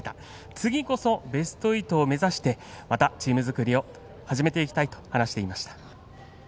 次こそ、ベスト８を目指してまたチーム作りを始めていきたいと話していました。